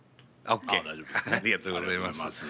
ありがとうございます。